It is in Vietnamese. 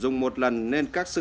nó trắng là được